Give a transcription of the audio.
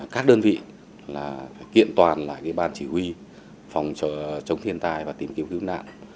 các đơn vị kiện toàn là ban chỉ huy phòng chống thiên tai và tìm hiểu cứu nạn